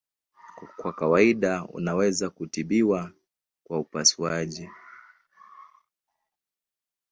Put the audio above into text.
Kwa kawaida unaweza kutibiwa kwa upasuaji.